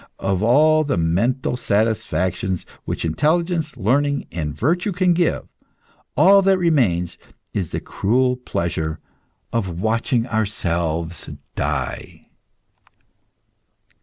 Of all the mental satisfactions which intelligence, learning, and virtue can give, all that remains is the cruel pleasure of watching ourselves die.